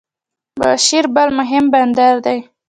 بوشهر بل مهم بندر دی.